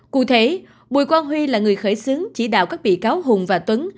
cụ thể bùi quang huy là người khởi xướng chỉ đạo các bị cáo hùng và tuấn